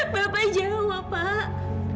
bapak jawab pak